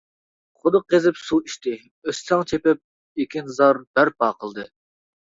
قۇدۇق قېزىپ سۇ ئىچتى، ئۆستەڭ چېپىپ ئېكىنزار بەرپا قىلدى.